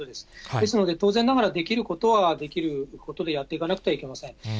ですので当然ながら、できることはできることでやっていかなくてはいけません。